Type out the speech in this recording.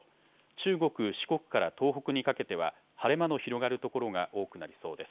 中国、四国から東北にかけては晴れ間の広がる所が多くなりそうです。